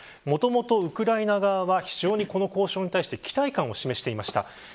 もともとウクライナ側はこの交渉に対して期待感を示していました。